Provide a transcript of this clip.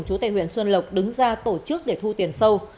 chú tại huyện xuân lộc đứng ra tổ chức để thu tiền sâu